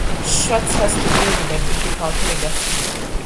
Schwartz has had to deal with a difficult legacy.